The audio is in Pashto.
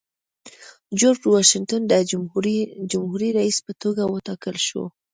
جورج واشنګټن د جمهوري رئیس په توګه وټاکل شو.